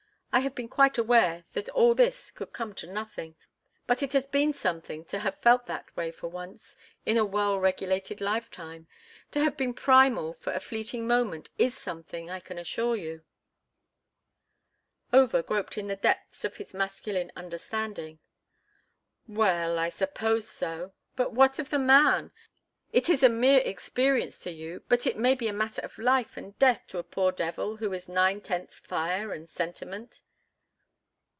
I have been quite aware that all this could come to nothing, but it has been something to have felt that way for once in a well regulated lifetime; to have been primal for a fleeting moment is something, I can assure you." Over groped in the depths of his masculine understanding. "Well, I suppose so. But what of the man? It is a mere experience to you, but it may be a matter of life and death to a poor devil who is nine tenths fire and sentiment."